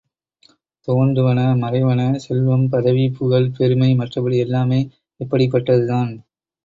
தோன்றுவன மறைவன, செல்வம், பதவி, புகழ் பெருமை மற்றபடி எல்லாமே இப்படிப்பட்டதுதான்!